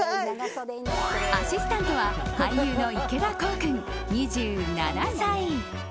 アシスタントは俳優の池田航君、２７歳。